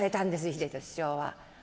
秀敏師匠は。